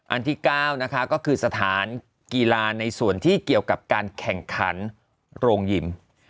อันที่๙นะคะก็คือสถานกีฬาในส่วนที่เกี่ยวกับการแข่งขันโรงยิม